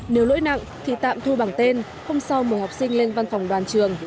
nếu lỗi nặng thì tạm thu bằng tên hôm sau mời học sinh lên văn phòng đoàn trường